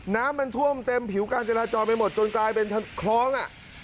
น้ำมันท่วมเต็มผิวการจราจรไปหมดจนกลายเป็นคล้องอ่ะ